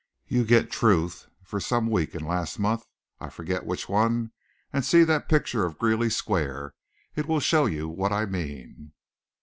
You get Truth for some week in last month I forget which one and see that picture of Greeley Square. It will show you what I mean."